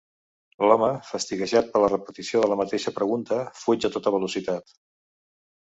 L'home, fastiguejat per la repetició de la mateixa pregunta, fuig a tota velocitat.